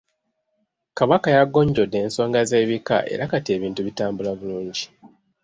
Kabaka yagonjodde ensonga z'ebika era kati ebintu bitambula bulungi.